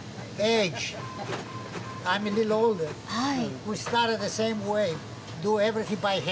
はい。